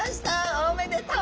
おめでとう！